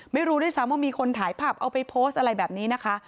ไม่รู้ด้วยซ้ำว่ามีคนถ่ายภาพเอาไปโพสต์อะไรแบบนี้นะคะ